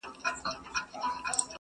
كه دامونه د شيطان وي او كه نه وي -